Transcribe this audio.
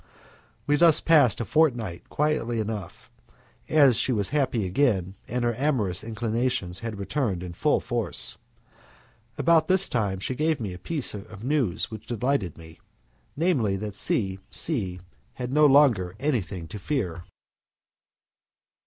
We thus passed a fortnight quietly enough, as she was happy again, and her amorous inclinations had returned in full force. About this time she gave me a piece of news which delighted me namely, that C C had no longer anything to fear.